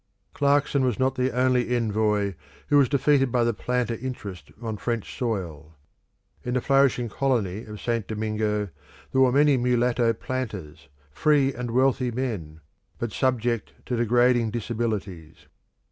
Clarkson was not the only envoy who was defeated by the planter interest on French soil. In the flourishing colony of St. Domingo there were many mulatto planters, free and wealthy men, but subject to degrading disabilities.